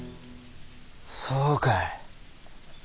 そうかい。